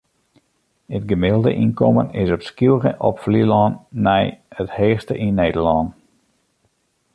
It gemiddelde ynkommen is op Skylge op Flylân nei it heechste yn Nederlân.